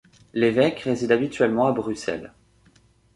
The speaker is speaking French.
L'évêque réside habituellement à Bruxelles.